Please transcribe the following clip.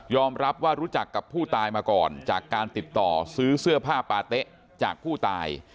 รับว่ารู้จักกับผู้ตายมาก่อนจากการติดต่อซื้อเสื้อผ้าปาเต๊ะจากผู้ตาย